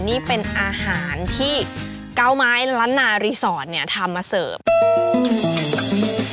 นี่เป็นอาหารที่เก้าไม้ล้านนารีสอร์ทเนี่ยทำมาเสิร์ฟ